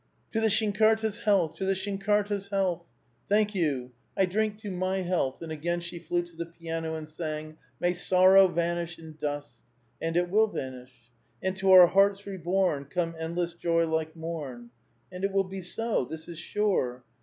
'^ To the shinkdrka^s health I to the ihinkdrkd'a health !"'^ Thank you ; I drink to my health, and again she flew to the piano and sang :— May sorroff vanish in dust 1 And it will vanish. And to onr hearts reborn, Come endless joy like mom! And it will be so I This is sure.